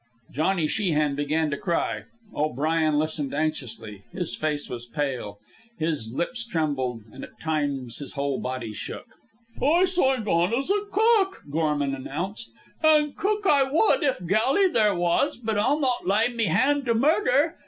Johnny Sheehan began to cry. O'Brien listened anxiously. His face was pale. His lips trembled, and at times his whole body shook. "I signed on as cook," Gorman enounced. "An' cook I wud if galley there was. But I'll not lay me hand to murder.